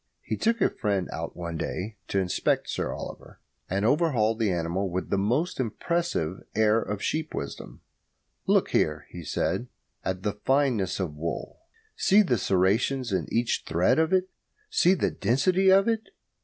He took a friend out one day to inspect Sir Oliver, and overhauled that animal with a most impressive air of sheep wisdom. "Look here," he said, "at the fineness of the wool. See the serrations in each thread of it. See the density of it.